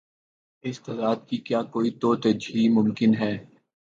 اس تضاد کی کیا کوئی توجیہہ ممکن ہے؟